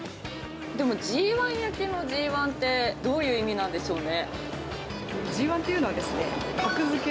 でも、Ｇ１焼きのＧ１ってどういう意味なんでしょうね？